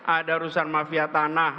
ada rusak mafia tanah